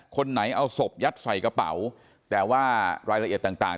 คนไหนเอาศพยัดใส่กระเป๋าแต่ว่ารายละเอียดต่างต่าง